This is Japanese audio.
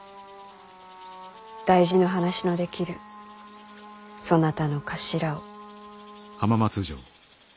大事な話のできるそなたの頭を。